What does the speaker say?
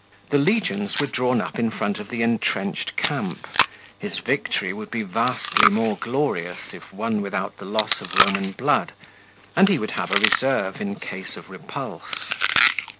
The legions were drawn up in front of the intrenched camp; his victory would be vastly more glorious if won without the loss of Roman blood, and he would have a reserve in case of repulse.